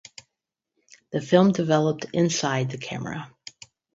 The film developed inside the camera.